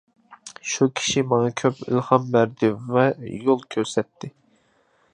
ئۇ كىشى ماڭا كۆپ ئىلھام بەردى ۋە يول كۆرسەتتى.